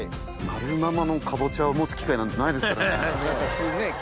丸いままのかぼちゃを持つ機会なんてないですからね。